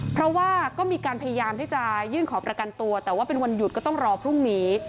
เพราะว่าก็มีการพยายามที่จะยื่นขอประกันตัวแต่ว่าเป็นวันหยุดก็ต้องรอพรุ่งนี้